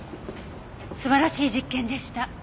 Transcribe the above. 素晴らしい実験でした。